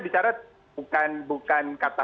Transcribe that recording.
bicara bukan kata